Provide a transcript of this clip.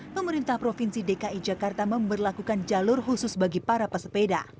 pemerintah provinsi dki jakarta memperlakukan jalur khusus bagi para pesepeda